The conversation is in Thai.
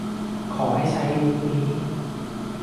ขอให้ใช้ลิงก์นี้